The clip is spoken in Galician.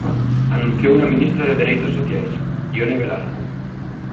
Anunciouno a ministra de Dereitos Sociais, Ione Belarra.